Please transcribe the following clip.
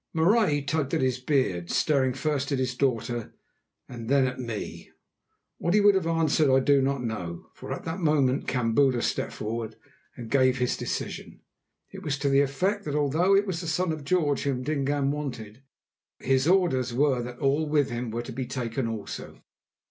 Marais tugged at his beard, staring first at his daughter and then at me. What he would have answered I do not know, for at that moment Kambula stepped forward and gave his decision. It was to the effect that although it was the Son of George whom Dingaan wanted, his orders were that all with him were to be taken also.